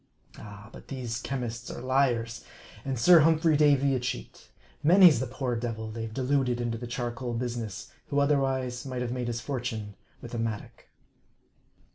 Ah ! but these chemists are liars, and Sir Humphrey Davy a cheat. Many's the poor devil they've deluded into the charcoal business, who otherwise might have made his for tune with a mattock.